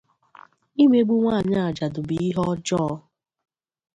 imegbu nwaanyị ajadụ bụ ihe ọjọọ